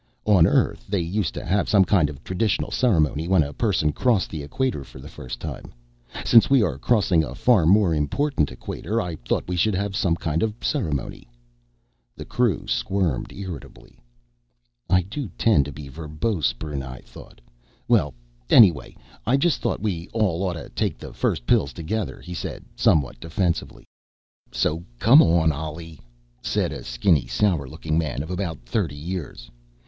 "On Earth, they used to have some kind of traditional ceremony when a person crossed the equator for the first time. Since we are crossing a far more important equator, I thought we should have some kind of ceremony." The crew squirmed irritably. I do tend to be verbose, Brunei thought. "Well ... anyway, I just thought we all oughta take the first pills together," he said, somewhat defensively. "So come on, Ollie," said a skinny, sour looking man of about thirty years.